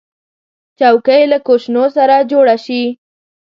چوکۍ له کوشنو سره جوړه شي.